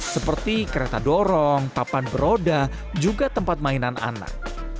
seperti kereta dorong papan beroda juga tempat mainan anak